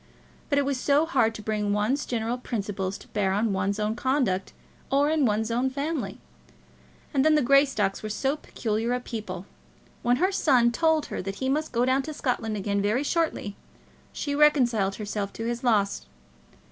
But it is so hard to bring one's general principles to bear on one's own conduct or in one's own family; and then the Greystocks were so peculiar a people! When her son told her that he must go down to Scotland again very shortly, she reconciled herself to his loss.